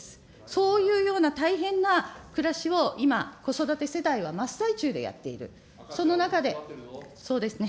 そういうような大変な暮らしを今、子育て世帯は真っ最中でやっている、その中で、そうですね、